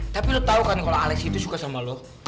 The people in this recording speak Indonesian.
tapi lo tau kan kalau alex itu suka sama lo